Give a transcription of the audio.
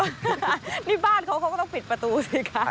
นี่บ้านเขาเขาก็ต้องปิดประตูสิคะ